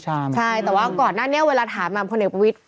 ใช่แต่ว่าก่อนหน้านี้เวลาถามมาพลเอกประวิทย